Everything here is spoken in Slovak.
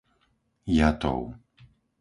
Jatov